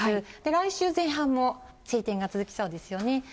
来週前半も晴天が続きそうですよね。